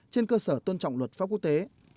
trên cơ sở tôn trọng luật pháp quốc tế